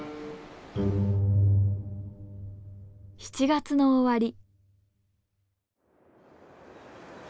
７月の終わり。